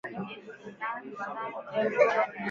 Hatua za kufuata kupika viazi vya mapondo